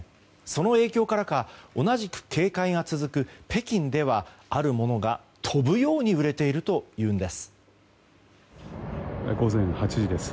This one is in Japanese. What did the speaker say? その影響からか同じく警戒が続く北京ではあるものが飛ぶように売れているというんです。